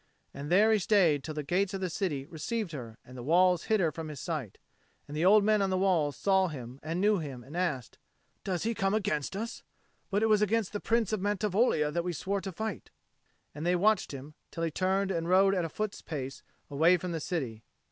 And there he stayed till the gates of the city received her and the walls hid her from his sight; and the old men on the walls saw him and knew him, and asked, "Does he come against us? But it was against the Prince of Mantivoglia that we swore to fight." And they watched him till he turned and rode at a foot's pace away from the city.